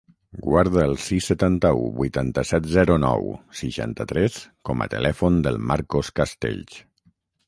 Guarda el sis, setanta-u, vuitanta-set, zero, nou, seixanta-tres com a telèfon del Marcos Castells.